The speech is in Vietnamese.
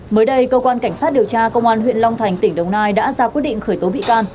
mới đây cơ quan cảnh sát điều tra công an huyện long thành tỉnh đồng nai đã ra quyết định khởi tố bị can